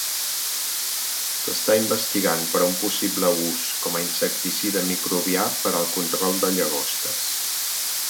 S'està investigant per a un possible ús com a insecticida microbià per al control de llagostes.